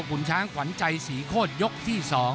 ขุนช้างขวัญใจสีโค้ดยกที่๒